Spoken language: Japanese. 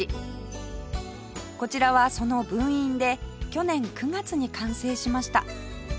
こちらはその分院で去年９月に完成しました